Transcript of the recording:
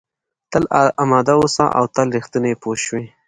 تل اماده اوسه او تل رښتینی پوه شوې!.